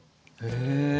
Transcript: へえ。